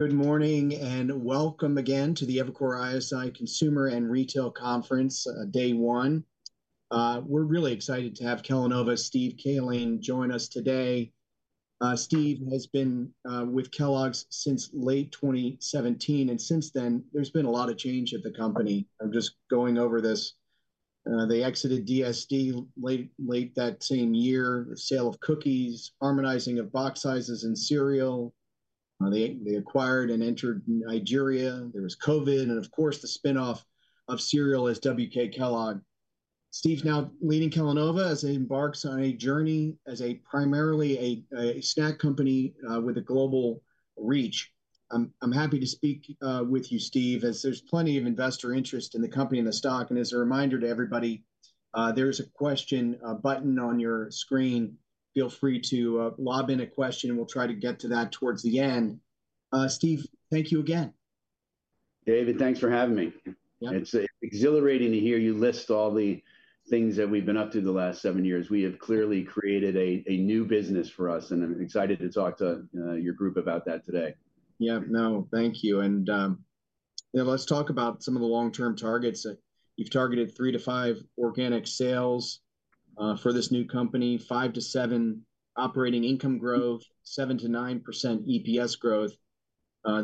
Good morning and welcome again to the Evercore ISI Consumer and Retail Conference, day one. We're really excited to have Kellanova, Steve Cahillane, join us today. Steve has been with Kellogg's since late 2017, and since then there's been a lot of change at the company. I'm just going over this. They exited DSD late that same year, the sale of cookies, harmonizing of box sizes and cereal. They acquired and entered Nigeria. There was COVID and, of course, the spinoff of cereal as WK Kellogg. Steve, now leading Kellanova as they embark on a journey as primarily a snack company with a global reach. I'm happy to speak with you, Steve, as there's plenty of investor interest in the company and the stock. As a reminder to everybody, there's a question button on your screen. Feel free to lob in a question, and we'll try to get to that towards the end. Steve, thank you again. David, thanks for having me. It's exhilarating to hear you list all the things that we've been up to the last seven years. We have clearly created a new business for us, and I'm excited to talk to your group about that today. Yeah, no, thank you. And let's talk about some of the long-term targets. You've targeted three to five organic sales for this new company, five to seven operating income growth, 7%-9% EPS growth.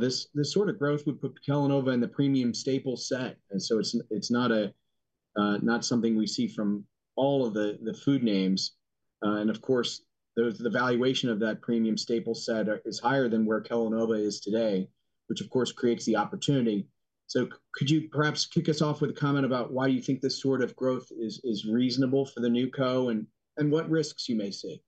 This sort of growth would put Kellanova in the premium staple set. And so it's not something we see from all of the food names. And of course, the valuation of that premium staple set is higher than where Kellanova is today, which of course creates the opportunity. So could you perhaps kick us off with a comment about why you think this sort of growth is reasonable for the new co and what risks you may see?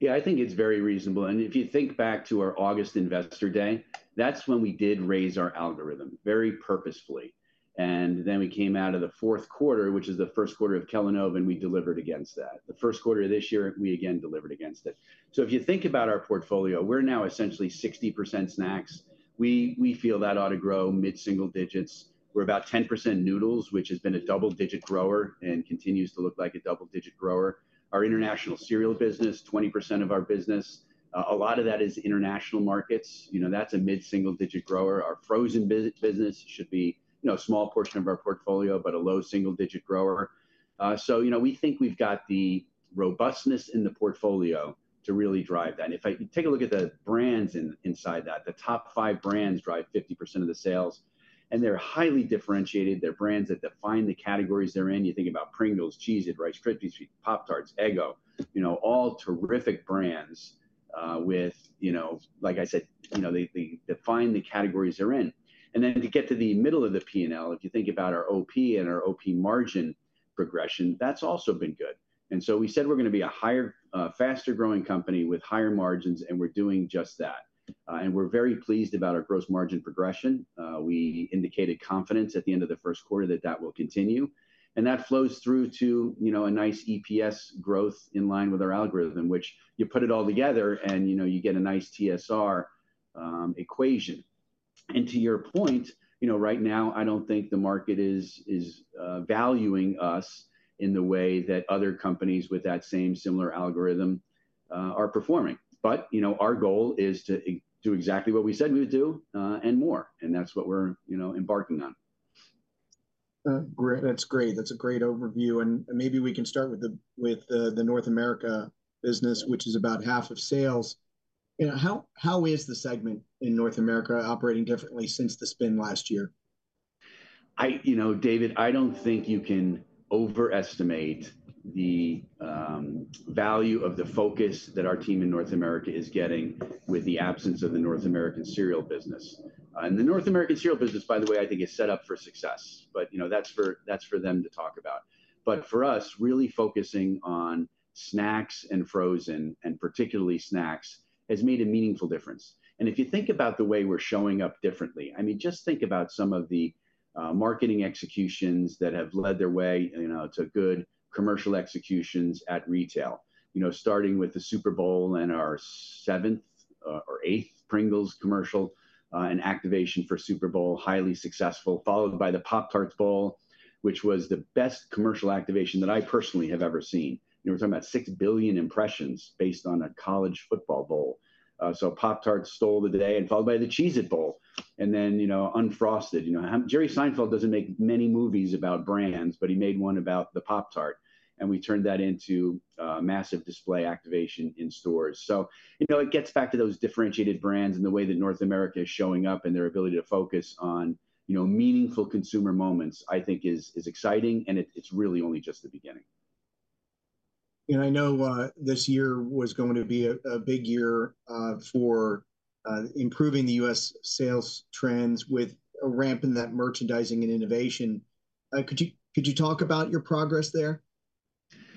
Yeah, I think it's very reasonable. And if you think back to our August investor day, that's when we did raise our guidance very purposefully. And then we came out of the fourth quarter, which is the first quarter of Kellanova, and we delivered against that. The first quarter of this year, we again delivered against it. So if you think about our portfolio, we're now essentially 60% snacks. We feel that ought to grow mid-single digits. We're about 10% noodles, which has been a double-digit grower and continues to look like a double-digit grower. Our international cereal business, 20% of our business, a lot of that is international markets. You know, that's a mid-single digit grower. Our frozen business should be a small portion of our portfolio, but a low single-digit grower. So we think we've got the robustness in the portfolio to really drive that. If I take a look at the brands inside that, the top five brands drive 50% of the sales. And they're highly differentiated. They're brands that define the categories they're in. You think about Pringles, Cheez-It, Rice Krispies, Pop-Tarts, Eggo, all terrific brands with, like I said, you know they define the categories they're in. And then to get to the middle of the P&L, if you think about our OP and our OP margin progression, that's also been good. And so we said we're going to be a faster growing company with higher margins, and we're doing just that. And we're very pleased about our gross margin progression. We indicated confidence at the end of the first quarter that that will continue. And that flows through to a nice EPS growth in line with our algorithm, which you put it all together and you get a nice TSR equation. To your point, right now, I don't think the market is valuing us in the way that other companies with that same similar algorithm are performing. But our goal is to do exactly what we said we would do and more. That's what we're embarking on. That's great. That's a great overview. Maybe we can start with the North America business, which is about half of sales. How is the segment in North America operating differently since the spin last year? David, I don't think you can overestimate the value of the focus that our team in North America is getting with the absence of the North American cereal business. And the North American cereal business, by the way, I think is set up for success, but that's for them to talk about. But for us, really focusing on snacks and frozen and particularly snacks has made a meaningful difference. And if you think about the way we're showing up differently, I mean, just think about some of the marketing executions that have led the way to good commercial executions at retail, starting with the Super Bowl and our seventh or eighth Pringles commercial and activation for Super Bowl, highly successful, followed by the Pop-Tarts Bowl, which was the best commercial activation that I personally have ever seen. We're talking about 6 billion impressions based on a college football bowl. So Pop-Tarts stole the day, followed by the Cheez-It Bowl and then Unfrosted. Jerry Seinfeld doesn't make many movies about brands, but he made one about the Pop-Tart. And we turned that into massive display activation in stores. So it gets back to those differentiated brands and the way that North America is showing up and their ability to focus on meaningful consumer moments, I think is exciting. And it's really only just the beginning. I know this year was going to be a big year for improving the U.S. sales trends with a ramp in that merchandising and innovation. Could you talk about your progress there?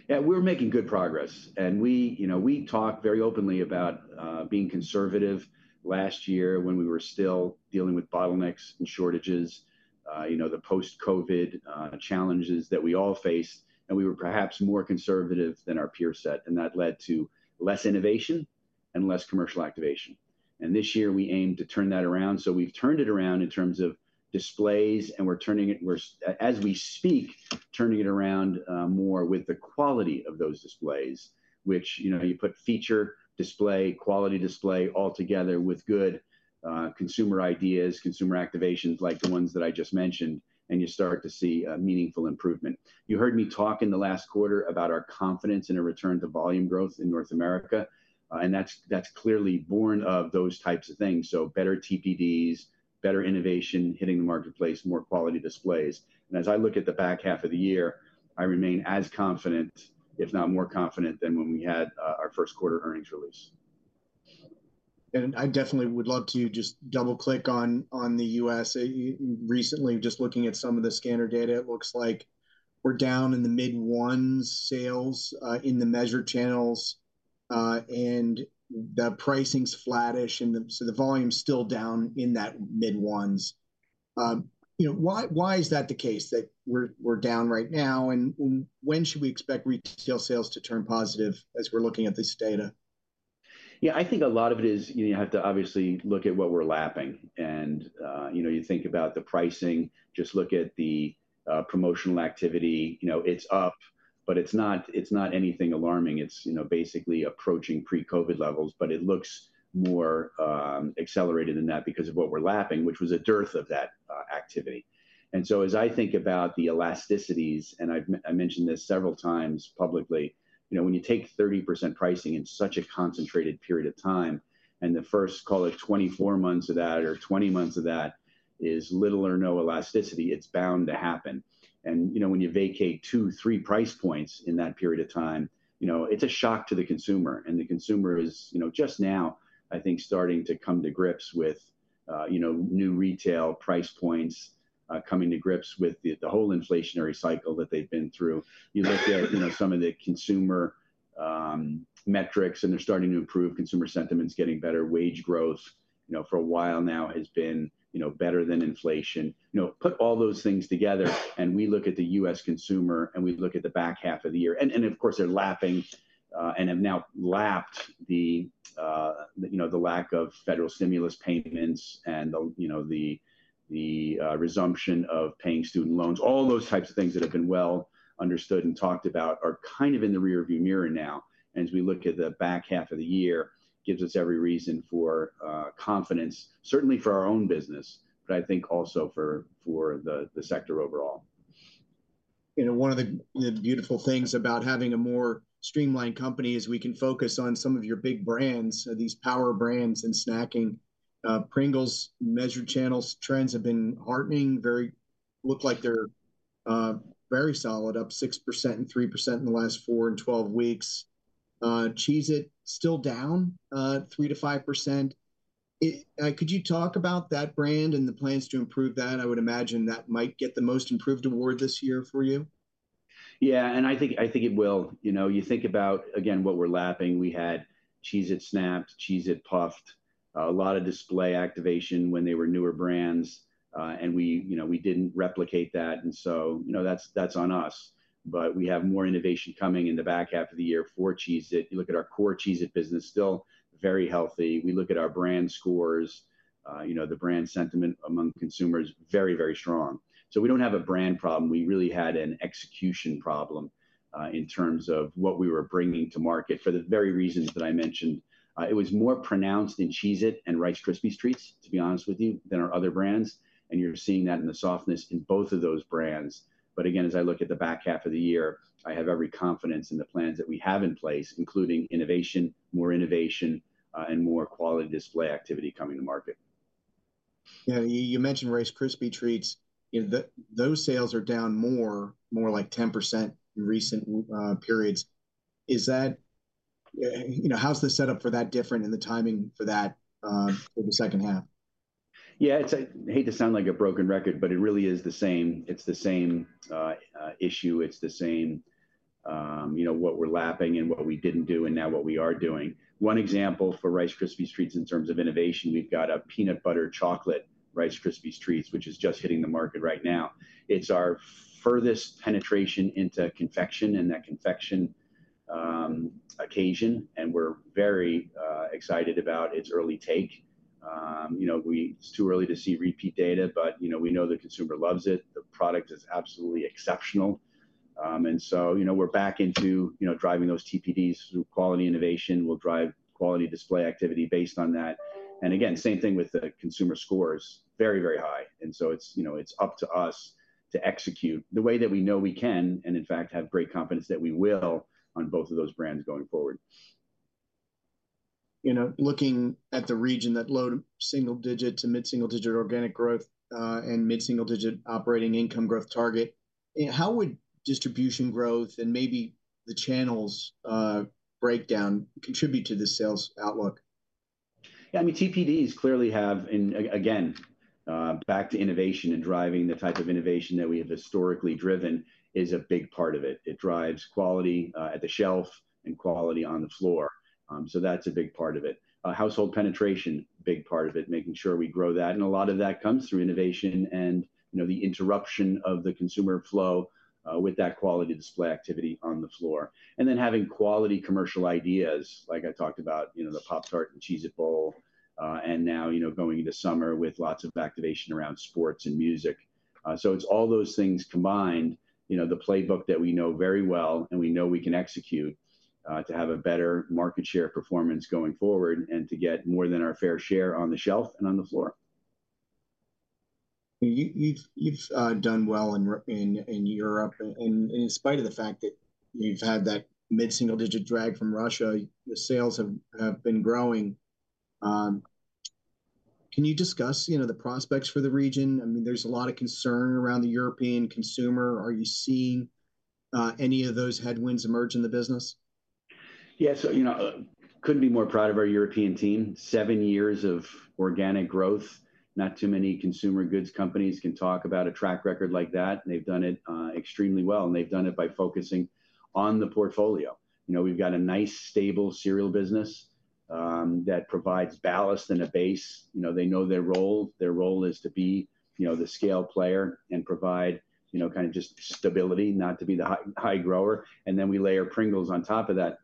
Yeah, we're making good progress. We talk very openly about being conservative last year when we were still dealing with bottlenecks and shortages, the post-COVID challenges that we all faced. We were perhaps more conservative than our peer set. And that led to less innovation and less commercial activation. This year, we aim to turn that around. So we've turned it around in terms of displays, and we're turning it, as we speak, turning it around more with the quality of those displays, which you put feature display, quality display all together with good consumer ideas, consumer activations like the ones that I just mentioned, and you start to see a meaningful improvement. You heard me talk in the last quarter about our confidence in a return to volume growth in North America. That's clearly born of those types of things. Better TPDs, better innovation hitting the marketplace, more quality displays. As I look at the back half of the year, I remain as confident, if not more confident, than when we had our first quarter earnings release. I definitely would love to just double-click on the U.S. Recently, just looking at some of the scanner data, it looks like we're down in the mid-ones sales in the measured channels. The pricing's flattish. So the volume's still down in that mid-ones. Why is that the case that we're down right now? And when should we expect retail sales to turn positive as we're looking at this data? Yeah, I think a lot of it is you have to obviously look at what we're lapping. And you think about the pricing, just look at the promotional activity. It's up, but it's not anything alarming. It's basically approaching pre-COVID levels, but it looks more accelerated than that because of what we're lapping, which was a dearth of that activity. And so as I think about the elasticities, and I mentioned this several times publicly, when you take 30% pricing in such a concentrated period of time, and the first, call it 24 months of that or 20 months of that, is little or no elasticity, it's bound to happen. And when you vacate two, three price points in that period of time, it's a shock to the consumer. The consumer is just now, I think, starting to come to grips with new retail price points, coming to grips with the whole inflationary cycle that they've been through. You look at some of the consumer metrics, and they're starting to improve. Consumer sentiment's getting better. Wage growth for a while now has been better than inflation. Put all those things together, and we look at the U.S. consumer, and we look at the back half of the year. And of course, they're lapping and have now lapped the lack of federal stimulus payments and the resumption of paying student loans. All those types of things that have been well understood and talked about are kind of in the rearview mirror now. As we look at the back half of the year, it gives us every reason for confidence, certainly for our own business, but I think also for the sector overall. One of the beautiful things about having a more streamlined company is we can focus on some of your big brands, these power brands in snacking. Pringles, measured channels, trends have been heartening. They look like they're very solid, up 6% and 3% in the last four and 12 weeks. Cheez-It still down 3%-5%. Could you talk about that brand and the plans to improve that? I would imagine that might get the most improved award this year for you. Yeah, and I think it will. You think about, again, what we're lapping. We had Cheez-It Snap'd, Cheez-It Puff'd, a lot of display activation when they were newer brands. And we didn't replicate that. And so that's on us. But we have more innovation coming in the back half of the year for Cheez-It. You look at our core Cheez-It business, still very healthy. We look at our brand scores, the brand sentiment among consumers, very, very strong. So we don't have a brand problem. We really had an execution problem in terms of what we were bringing to market for the very reasons that I mentioned. It was more pronounced in Cheez-It and Rice Krispies Treats, to be honest with you, than our other brands. And you're seeing that in the softness in both of those brands. But again, as I look at the back half of the year, I have every confidence in the plans that we have in place, including innovation, more innovation, and more quality display activity coming to market. You mentioned Rice Krispies Treats. Those sales are down more, more like 10% in recent periods. How's the setup for that different in the timing for that for the second half? Yeah, I hate to sound like a broken record, but it really is the same. It's the same issue. It's the same what we're lapping and what we didn't do and now what we are doing. One example for Rice Krispies Treats in terms of innovation, we've got a peanut butter chocolate Rice Krispies Treats, which is just hitting the market right now. It's our furthest penetration into confection and that confection occasion. And we're very excited about its early take. It's too early to see repeat data, but we know the consumer loves it. The product is absolutely exceptional. And so we're back into driving those TPDs through quality innovation. We'll drive quality display activity based on that. And again, same thing with the consumer scores, very, very high. And so it's up to us to execute the way that we know we can and in fact have great confidence that we will on both of those brands going forward. Looking at the region that low- to single-digit to mid-single-digit organic growth and mid-single-digit operating income growth target, how would distribution growth and maybe the channels breakdown contribute to the sales outlook? Yeah, I mean, TPDs clearly have, and again, back to innovation and driving the type of innovation that we have historically driven is a big part of it. It drives quality at the shelf and quality on the floor. So that's a big part of it. Household penetration, big part of it, making sure we grow that. And a lot of that comes through innovation and the interruption of the consumer flow with that quality display activity on the floor. And then having quality commercial ideas, like I talked about, the Pop-Tarts and Cheez-It Bowl, and now going into summer with lots of activation around sports and music. It's all those things combined, the playbook that we know very well and we know we can execute to have a better market share performance going forward and to get more than our fair share on the shelf and on the floor. You've done well in Europe. In spite of the fact that you've had that mid-single digit drag from Russia, the sales have been growing. Can you discuss the prospects for the region? I mean, there's a lot of concern around the European consumer. Are you seeing any of those headwinds emerge in the business? Yeah, so couldn't be more proud of our European team. Seven years of organic growth. Not too many consumer goods companies can talk about a track record like that. And they've done it extremely well. And they've done it by focusing on the portfolio. We've got a nice stable cereal business that provides ballast and a base. They know their role. Their role is to be the scale player and provide kind of just stability, not to be the high grower. And then we layer Pringles on top of that.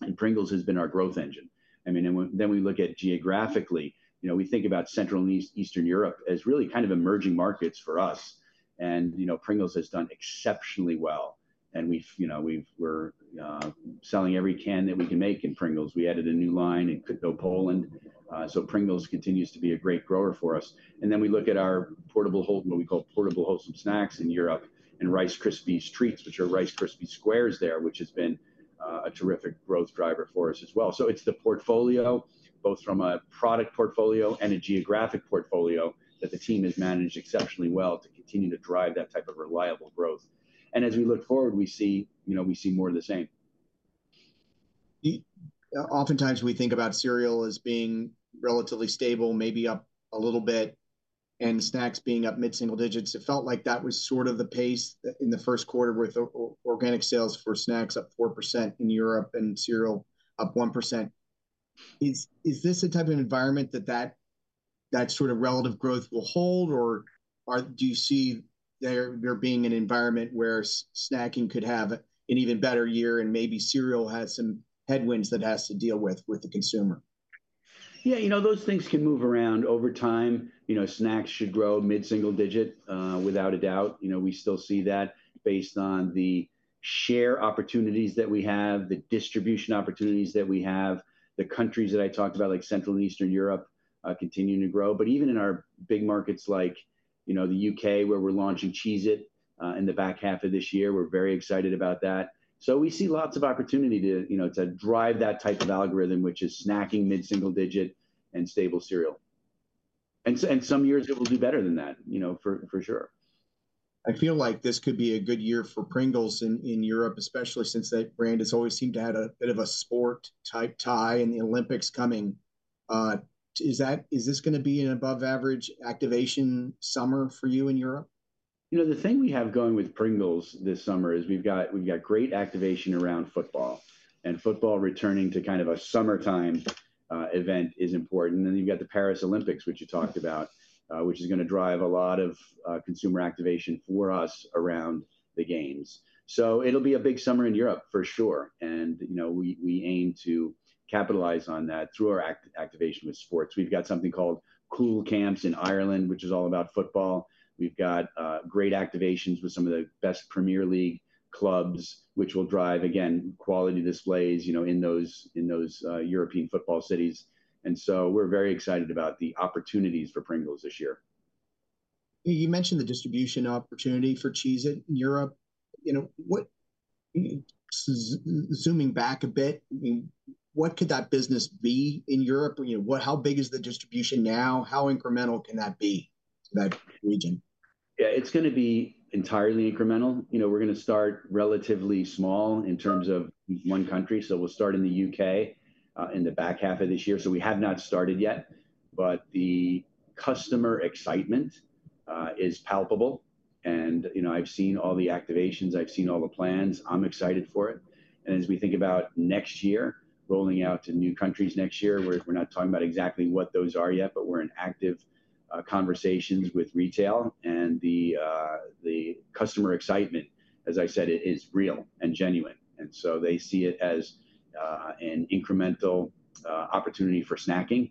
And Pringles has been our growth engine. I mean, then we look at geographically, we think about Central and Eastern Europe as really kind of emerging markets for us. And Pringles has done exceptionally well. And we're selling every can that we can make in Pringles. We added a new line in Kutno, Poland. Pringles continues to be a great grower for us. Then we look at our portable hold, what we call portable wholesome snacks in Europe and Rice Krispies Treats, which are Rice Krispies Squares there, which has been a terrific growth driver for us as well. It's the portfolio, both from a product portfolio and a geographic portfolio that the team has managed exceptionally well to continue to drive that type of reliable growth. As we look forward, we see more of the same. Oftentimes, we think about cereal as being relatively stable, maybe up a little bit, and snacks being up mid-single digits. It felt like that was sort of the pace in the first quarter with organic sales for snacks up 4% in Europe and cereal up 1%. Is this a type of environment that that sort of relative growth will hold, or do you see there being an environment where snacking could have an even better year and maybe cereal has some headwinds that it has to deal with with the consumer? Yeah, you know those things can move around over time. Snacks should grow mid-single digit without a doubt. We still see that based on the share opportunities that we have, the distribution opportunities that we have, the countries that I talked about, like Central and Eastern Europe, continuing to grow. But even in our big markets like the U.K., where we're launching Cheez-It in the back half of this year, we're very excited about that. So we see lots of opportunity to drive that type of algorithm, which is snacking mid-single digit and stable cereal. And some years, it will do better than that, for sure. I feel like this could be a good year for Pringles in Europe, especially since that brand has always seemed to have a bit of a sport-type tie and the Olympics coming. Is this going to be an above-average activation summer for you in Europe? You know the thing we have going with Pringles this summer is we've got great activation around football. Football returning to kind of a summertime event is important. Then you've got the Paris Olympics, which you talked about, which is going to drive a lot of consumer activation for us around the games. It'll be a big summer in Europe, for sure. We aim to capitalize on that through our activation with sports. We've got something called Cúl Camps in Ireland, which is all about football. We've got great activations with some of the best Premier League clubs, which will drive, again, quality displays in those European football cities. So we're very excited about the opportunities for Pringles this year. You mentioned the distribution opportunity for Cheez-It in Europe. Zooming back a bit, what could that business be in Europe? How big is the distribution now? How incremental can that be to that region? Yeah, it's going to be entirely incremental. We're going to start relatively small in terms of one country. So we'll start in the U.K. in the back half of this year. So we have not started yet. But the customer excitement is palpable. And I've seen all the activations. I've seen all the plans. I'm excited for it. And as we think about next year, rolling out to new countries next year, we're not talking about exactly what those are yet, but we're in active conversations with retail. And the customer excitement, as I said, is real and genuine. And so they see it as an incremental opportunity for snacking.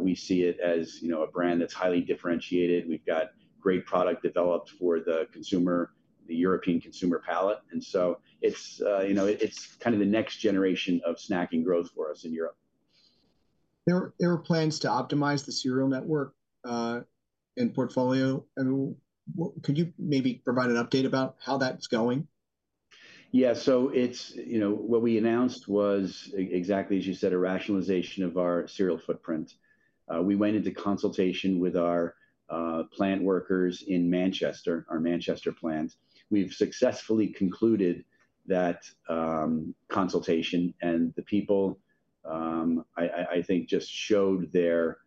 We see it as a brand that's highly differentiated. We've got great product developed for the consumer, the European consumer palate. And so it's kind of the next generation of snacking growth for us in Europe. There are plans to optimize the cereal network and portfolio. Could you maybe provide an update about how that's going? Yeah, so what we announced was exactly as you said, a rationalization of our cereal footprint. We went into consultation with our plant workers in Manchester, our Manchester plant. We've successfully concluded that consultation. And the people, I think, just showed their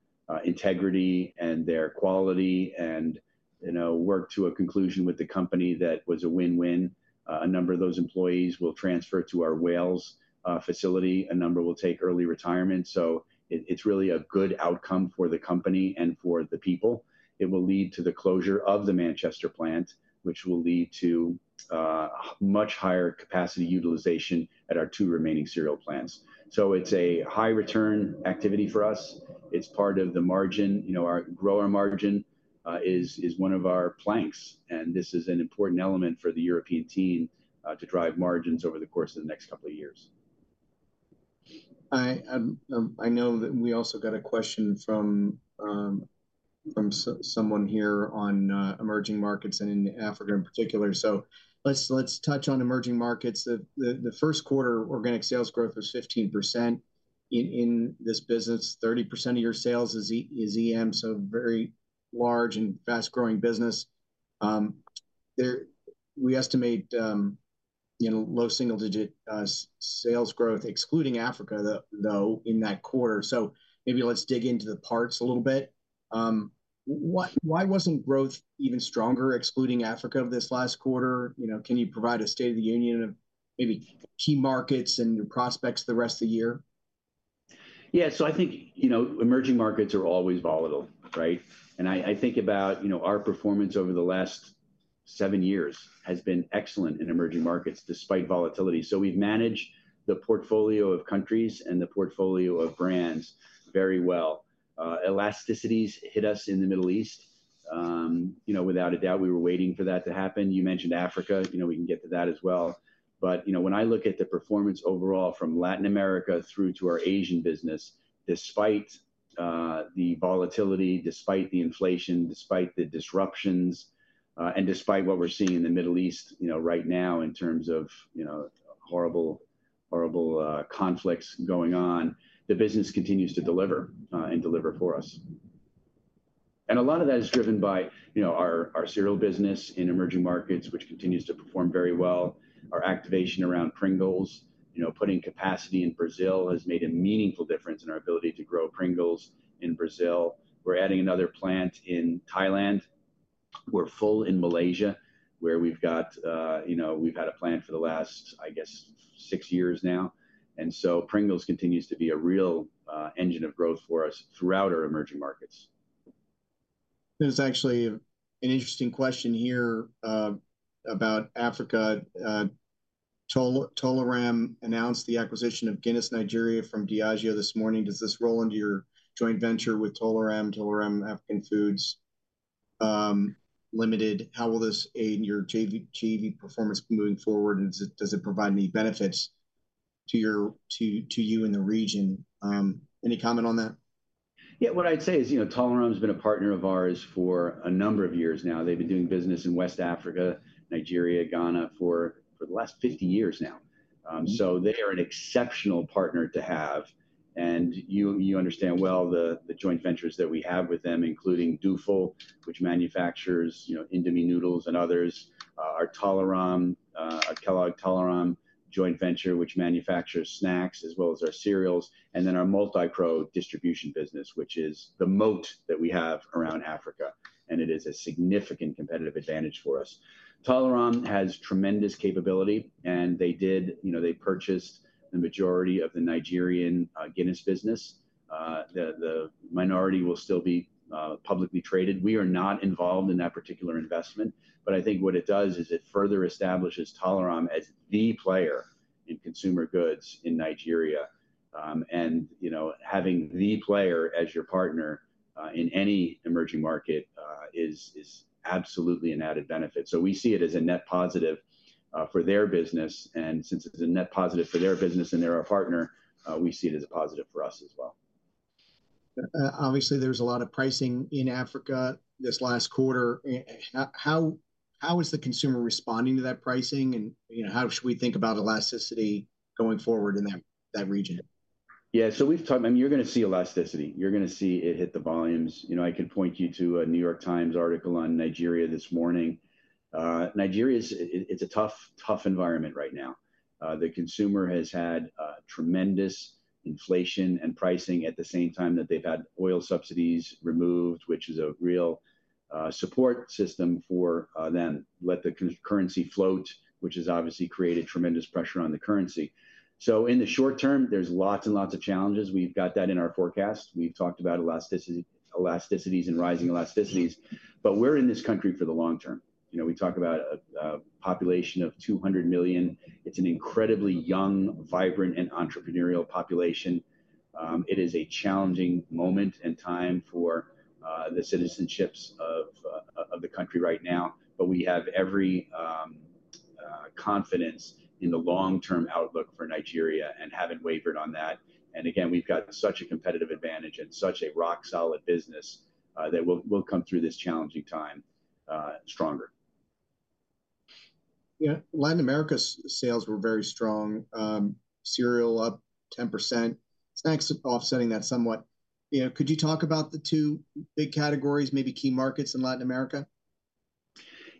integrity and their quality and worked to a conclusion with the company that was a win-win. A number of those employees will transfer to our Wales facility. A number will take early retirement. So it's really a good outcome for the company and for the people. It will lead to the closure of the Manchester plant, which will lead to much higher capacity utilization at our two remaining cereal plants. So it's a high return activity for us. It's part of the margin. Our gross margin is one of our planks. This is an important element for the European team to drive margins over the course of the next couple of years. I know that we also got a question from someone here on emerging markets and in Africa in particular. So let's touch on emerging markets. The first quarter organic sales growth was 15% in this business. 30% of your sales is EM, so very large and fast-growing business. We estimate low single-digit sales growth, excluding Africa, though, in that quarter. So maybe let's dig into the parts a little bit. Why wasn't growth even stronger, excluding Africa, this last quarter? Can you provide a state of the union of maybe key markets and your prospects the rest of the year? Yeah, so I think emerging markets are always volatile, right? I think about our performance over the last seven years has been excellent in emerging markets despite volatility. We've managed the portfolio of countries and the portfolio of brands very well. Elasticities hit us in the Middle East without a doubt. We were waiting for that to happen. You mentioned Africa. We can get to that as well. When I look at the performance overall from Latin America through to our Asian business, despite the volatility, despite the inflation, despite the disruptions, and despite what we're seeing in the Middle East right now in terms of horrible conflicts going on, the business continues to deliver and deliver for us. A lot of that is driven by our cereal business in emerging markets, which continues to perform very well. Our activation around Pringles, putting capacity in Brazil has made a meaningful difference in our ability to grow Pringles in Brazil. We're adding another plant in Thailand. We're full in Malaysia, where we've got a plant for the last, I guess, six years now. And so Pringles continues to be a real engine of growth for us throughout our emerging markets. There's actually an interesting question here about Africa. Tolaram announced the acquisition of Guinness Nigeria from Diageo this morning. Does this roll into your joint venture with Tolaram, Tolaram Africa Foods Limited? How will this aid in your JV performance moving forward? Does it provide any benefits to you in the region? Any comment on that? Yeah, what I'd say is Tolaram has been a partner of ours for a number of years now. They've been doing business in West Africa, Nigeria, Ghana for the last 50 years now. So they are an exceptional partner to have. And you understand well the joint ventures that we have with them, including Dufil, which manufactures Indomie noodles and others, our Tolaram, Kellogg Tolaram joint venture, which manufactures snacks as well as our cereals, and then our Multipro distribution business, which is the moat that we have around Africa. And it is a significant competitive advantage for us. Tolaram has tremendous capability. And they purchased the majority of the Nigerian Guinness business. The minority will still be publicly traded. We are not involved in that particular investment. But I think what it does is it further establishes Tolaram as the player in consumer goods in Nigeria. Having the player as your partner in any emerging market is absolutely an added benefit. We see it as a net positive for their business. Since it's a net positive for their business and they're our partner, we see it as a positive for us as well. Obviously, there's a lot of pricing in Africa this last quarter. How is the consumer responding to that pricing? How should we think about elasticity going forward in that region? Yeah, so we've talked. I mean, you're going to see elasticity. You're going to see it hit the volumes. I can point you to a New York Times article on Nigeria this morning. Nigeria is a tough environment right now. The consumer has had tremendous inflation and pricing at the same time that they've had oil subsidies removed, which is a real support system for them. Let the currency float, which has obviously created tremendous pressure on the currency. So in the short term, there's lots and lots of challenges. We've got that in our forecast. We've talked about elasticities and rising elasticities. But we're in this country for the long term. We talk about a population of 200 million. It's an incredibly young, vibrant, and entrepreneurial population. It is a challenging moment and time for the citizens of the country right now. But we have every confidence in the long-term outlook for Nigeria and haven't wavered on that. Again, we've got such a competitive advantage and such a rock-solid business that we'll come through this challenging time stronger. Yeah, Latin America's sales were very strong. Cereal up 10%. Snacks are offsetting that somewhat. Could you talk about the two big categories, maybe key markets in Latin America?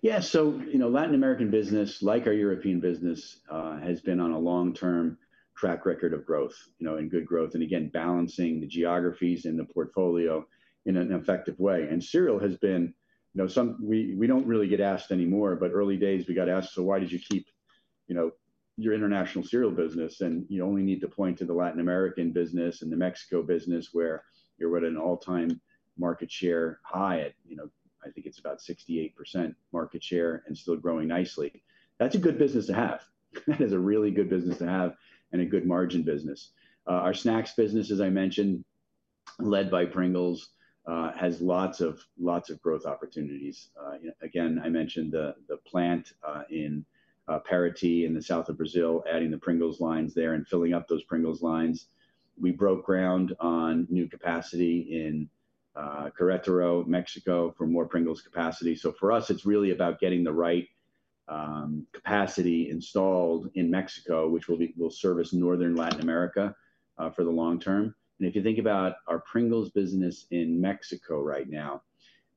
Yeah, so Latin American business, like our European business, has been on a long-term track record of growth and good growth. And again, balancing the geographies and the portfolio in an effective way. And cereal has been, we don't really get asked anymore. But early days, we got asked, so why did you keep your international cereal business? And you only need to point to the Latin American business and the Mexico business, where you're at an all-time market share high, at I think it's about 68% market share and still growing nicely. That's a good business to have. That is a really good business to have and a good margin business. Our snacks business, as I mentioned, led by Pringles, has lots of growth opportunities. Again, I mentioned the plant in Parati in the south of Brazil, adding the Pringles lines there and filling up those Pringles lines. We broke ground on new capacity in Querétaro, Mexico, for more Pringles capacity. So for us, it's really about getting the right capacity installed in Mexico, which will service northern Latin America for the long term. And if you think about our Pringles business in Mexico right now,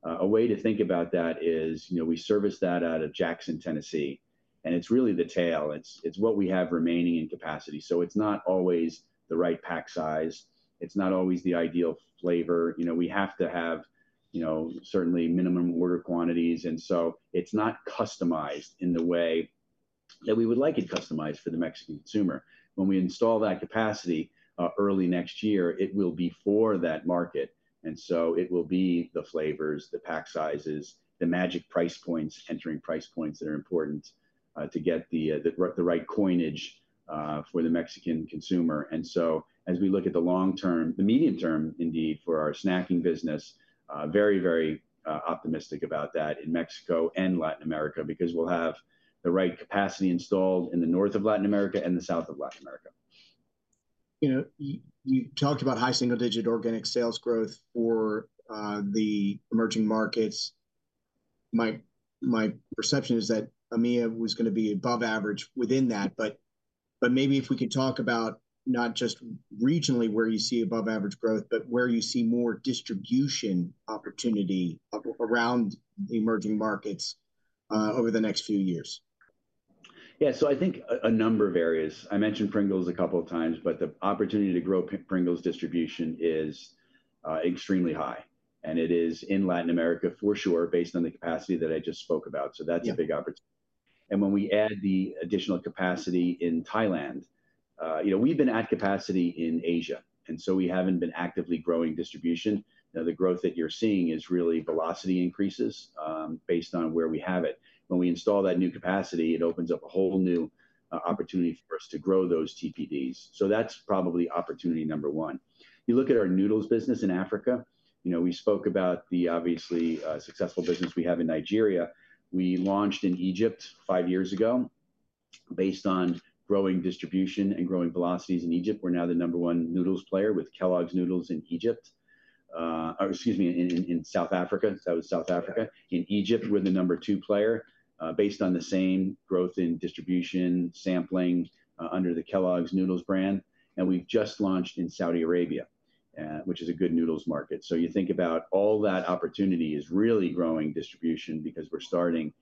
a way to think about that is we service that out of Jackson, Tennessee. And it's really the tail. It's what we have remaining in capacity. So it's not always the right pack size. It's not always the ideal flavor. We have to have certainly minimum order quantities. And so it's not customized in the way that we would like it customized for the Mexican consumer. When we install that capacity early next year, it will be for that market. So it will be the flavors, the pack sizes, the magic price points, entering price points that are important to get the right coinage for the Mexican consumer. As we look at the long term, the medium term, indeed, for our snacking business, very, very optimistic about that in Mexico and Latin America because we'll have the right capacity installed in the north of Latin America and the south of Latin America. You talked about high single-digit organic sales growth for the emerging markets. My perception is that AMEA was going to be above average within that. But maybe if we could talk about not just regionally where you see above-average growth, but where you see more distribution opportunity around the emerging markets over the next few years. Yeah, so I think a number of areas. I mentioned Pringles a couple of times, but the opportunity to grow Pringles distribution is extremely high. And it is in Latin America, for sure, based on the capacity that I just spoke about. So that's a big opportunity. And when we add the additional capacity in Thailand, we've been at capacity in Asia. And so we haven't been actively growing distribution. Now, the growth that you're seeing is really velocity increases based on where we have it. When we install that new capacity, it opens up a whole new opportunity for us to grow those TPDs. So that's probably opportunity number one. You look at our noodles business in Africa. We spoke about the obviously successful business we have in Nigeria. We launched in Egypt five years ago based on growing distribution and growing velocities in Egypt. We're now the number one noodles player with Kellogg's Noodles in Egypt, excuse me, in South Africa. That was South Africa. In Egypt, we're the number two player based on the same growth in distribution sampling under the Kellogg's Noodles brand. We've just launched in Saudi Arabia, which is a good noodles market. You think about all that opportunity is really growing distribution because we're starting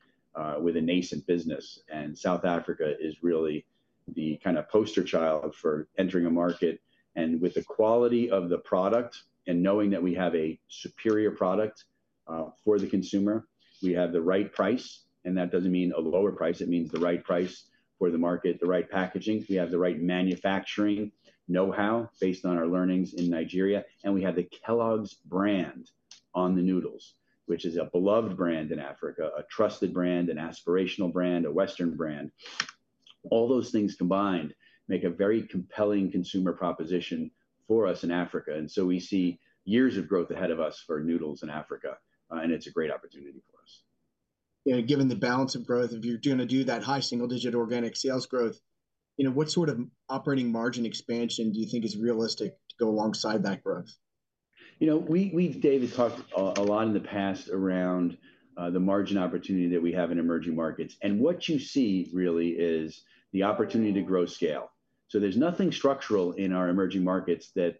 with a nascent business. South Africa is really the kind of poster child for entering a market. With the quality of the product and knowing that we have a superior product for the consumer, we have the right price. That doesn't mean a lower price. It means the right price for the market, the right packaging. We have the right manufacturing know-how based on our learnings in Nigeria. We have the Kellogg's brand on the noodles, which is a beloved brand in Africa, a trusted brand, an aspirational brand, a Western brand. All those things combined make a very compelling consumer proposition for us in Africa. So we see years of growth ahead of us for noodles in Africa. It's a great opportunity for us. Yeah, given the balance of growth, if you're going to do that high single-digit organic sales growth, what sort of operating margin expansion do you think is realistic to go alongside that growth? You know, we've talked a lot in the past around the margin opportunity that we have in emerging markets. And what you see really is the opportunity to grow scale. So there's nothing structural in our emerging markets that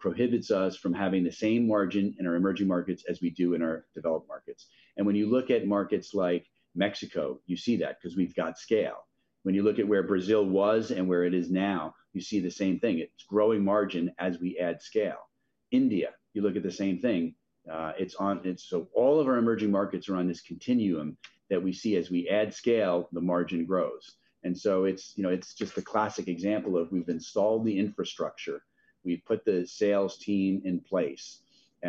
prohibits us from having the same margin in our emerging markets as we do in our developed markets. And when you look at markets like Mexico, you see that because we've got scale. When you look at where Brazil was and where it is now, you see the same thing. It's growing margin as we add scale. India, you look at the same thing. So all of our emerging markets are on this continuum that we see as we add scale, the margin grows. And so it's just a classic example of we've installed the infrastructure. We've put the sales team in place.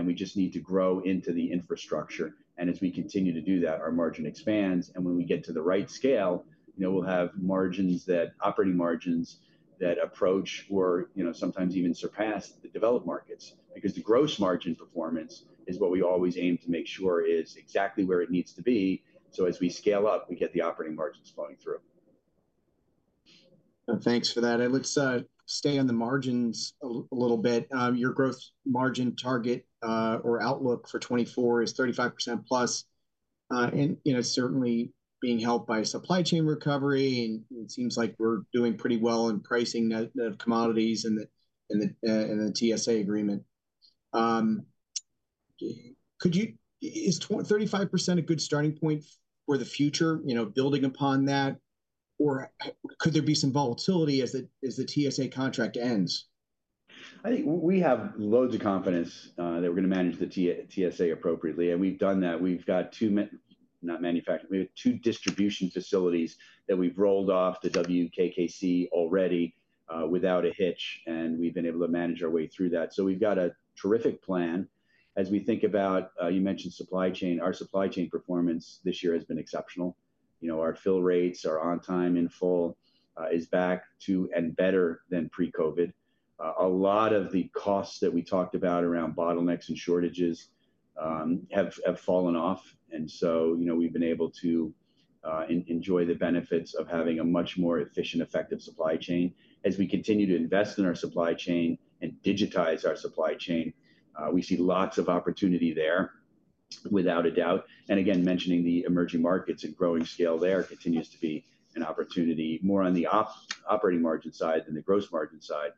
We just need to grow into the infrastructure. As we continue to do that, our margin expands. When we get to the right scale, we'll have margins, operating margins that approach or sometimes even surpass the developed markets because the gross margin performance is what we always aim to make sure is exactly where it needs to be. As we scale up, we get the operating margins flowing through. Thanks for that. Let's stay on the margins a little bit. Your gross margin target or outlook for 2024 is 35%+. Certainly being helped by supply chain recovery. It seems like we're doing pretty well in pricing the commodities and the TSA agreement. Is 35% a good starting point for the future, building upon that? Or could there be some volatility as the TSA contract ends? I think we have loads of confidence that we're going to manage the TSA appropriately. We've done that. We've got two, not manufacturing, we have two distribution facilities that we've rolled off to WK Kellogg Co already without a hitch. We've been able to manage our way through that. We've got a terrific plan. As we think about, you mentioned supply chain, our supply chain performance this year has been exceptional. Our fill rates are on time in full, is back to and better than pre-COVID. A lot of the costs that we talked about around bottlenecks and shortages have fallen off. We've been able to enjoy the benefits of having a much more efficient, effective supply chain. As we continue to invest in our supply chain and digitize our supply chain, we see lots of opportunity there, without a doubt. Again, mentioning the emerging markets and growing scale there continues to be an opportunity more on the operating margin side than the gross margin side.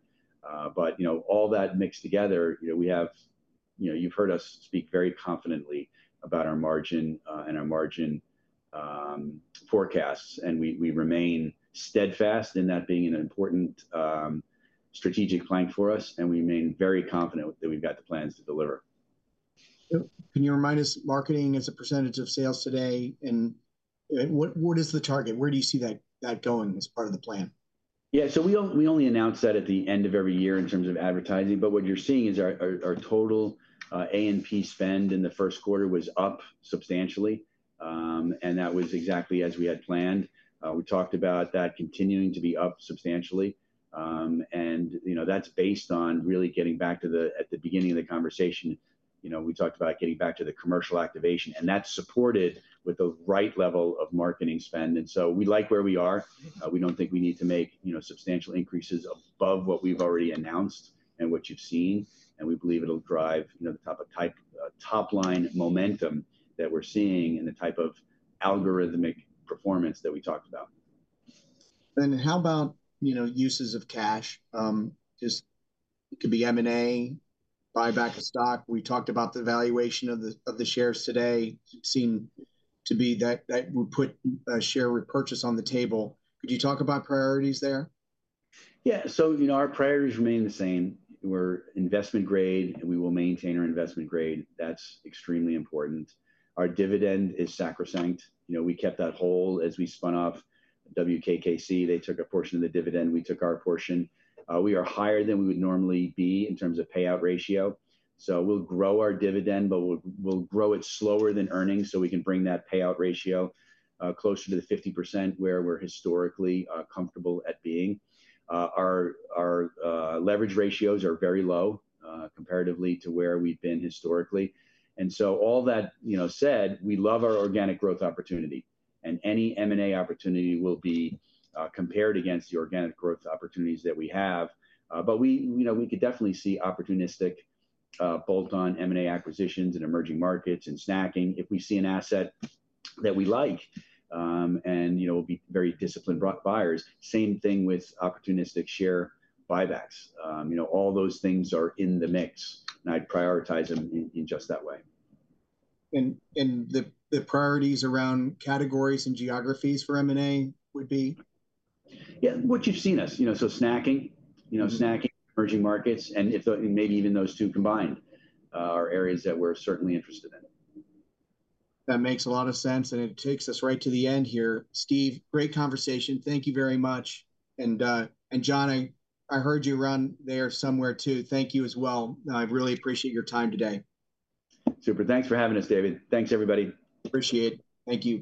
All that mixed together, we have; you've heard us speak very confidently about our margin and our margin forecasts. We remain steadfast in that being an important strategic plan for us. We remain very confident that we've got the plans to deliver. Can you remind us, marketing is a percentage of sales today? What is the target? Where do you see that going as part of the plan? Yeah, so we only announce that at the end of every year in terms of advertising. But what you're seeing is our total A&P spend in the first quarter was up substantially. And that was exactly as we had planned. We talked about that continuing to be up substantially. And that's based on really getting back to the, at the beginning of the conversation, we talked about getting back to the commercial activation. And that's supported with the right level of marketing spend. And so we like where we are. We don't think we need to make substantial increases above what we've already announced and what you've seen. And we believe it'll drive the type of top-line momentum that we're seeing and the type of algorithmic performance that we talked about. How about uses of cash? It could be M&A, buyback of stock. We talked about the valuation of the shares today seems to be that we put a share repurchase on the table. Could you talk about priorities there? Yeah, so our priorities remain the same. We're investment grade, and we will maintain our investment grade. That's extremely important. Our dividend is sacrosanct. We kept that whole as we spun off WK Kellogg Co. They took a portion of the dividend. We took our portion. We are higher than we would normally be in terms of payout ratio. So we'll grow our dividend, but we'll grow it slower than earnings so we can bring that payout ratio closer to the 50% where we're historically comfortable at being. Our leverage ratios are very low comparatively to where we've been historically. And so all that said, we love our organic growth opportunity. And any M&A opportunity will be compared against the organic growth opportunities that we have. We could definitely see opportunistic bolt-on M&A acquisitions in emerging markets and snacking if we see an asset that we like and will be very disciplined buyers. Same thing with opportunistic share buybacks. All those things are in the mix. I'd prioritize them in just that way. The priorities around categories and geographies for M&A would be? Yeah, what you've seen us. So snacking, emerging markets, and maybe even those two combined are areas that we're certainly interested in. That makes a lot of sense. And it takes us right to the end here. Steve, great conversation. Thank you very much. And John, I heard you around there somewhere too. Thank you as well. I really appreciate your time today. Super. Thanks for having us, David. Thanks, everybody. Appreciate it. Thank you.